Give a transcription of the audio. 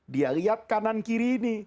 dia lihat kanan kiri ini